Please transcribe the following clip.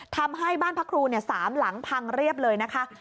ทำให้บ้านพระครู๓หลังพังเรียบเลยนะคะ